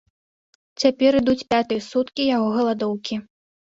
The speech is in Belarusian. Цяпер ідуць пятыя суткі яго галадоўкі.